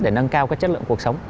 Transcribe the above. để nâng cao cái chất lượng cuộc sống